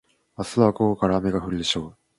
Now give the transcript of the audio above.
明日は午後から雨が降るでしょう。